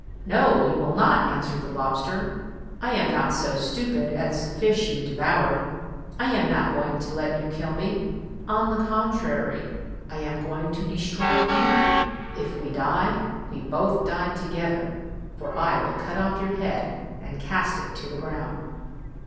"No, you will not," answered the lobster. " I am not so stupid as the fish that you devoured. I am not going to let you kill me. On the contrary, I am going to destroy you. If we die, we both die together; for I will cut off your head and cast it to the ground!"